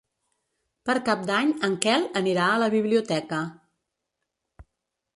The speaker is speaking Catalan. Per Cap d'Any en Quel anirà a la biblioteca.